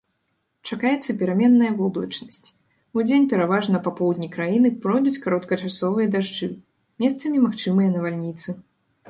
Чакаецца пераменная воблачнасць, удзень пераважна па поўдні краіны пройдуць кароткачасовыя дажджы, месцамі магчымыя навальніцы.